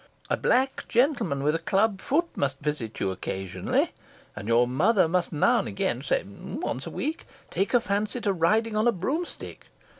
A black gentleman with a club foot must visit you occasionally, and your mother must, now and then say once a week take a fancy to riding on a broomstick.